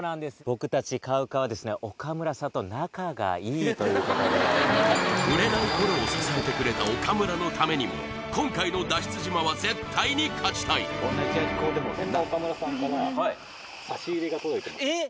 僕たちＣＯＷＣＯＷはですね岡村さんと仲がいいということで売れない頃を支えてくれた岡村のためにも今回の脱出島は絶対に勝ちたいえっ！